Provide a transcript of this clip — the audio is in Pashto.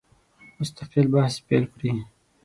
مستقل بحث پیل کړي.